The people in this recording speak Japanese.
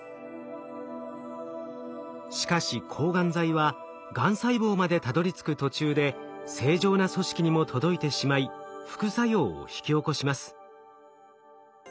しかし抗がん剤はがん細胞までたどりつく途中で正常な組織にも届いてしまい副作用を引き起こします。